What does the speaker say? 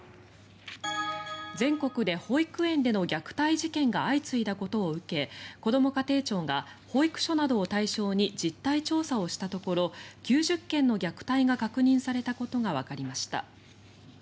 全国で保育園での虐待事件が相次いだことを受けこども家庭庁が保育所などを対象に実態調査をしたところ９０件の虐待が確認されたことがわかりました。